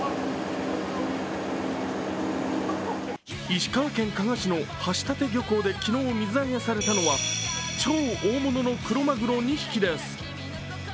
石川県加賀市の橋立漁港で昨日、水揚げされたのは超大物のクロマグロ２匹です。